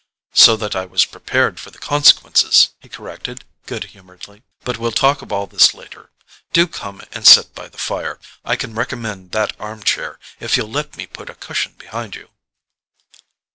"So that I was prepared for the consequences," he corrected good humouredly. "But we'll talk of all this later. Do come and sit by the fire. I can recommend that arm chair, if you'll let me put a cushion behind you."